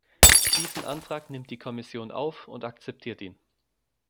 Diesen Antrag nimmt die Kommission auf und akzeptiert ihn.